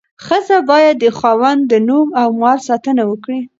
ښځه باید د خاوند د نوم او مال ساتنه وکړي.